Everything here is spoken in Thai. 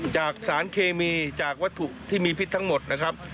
จากสารเคมีจากวัตถุที่มีพิษทั้งหมดนะครับ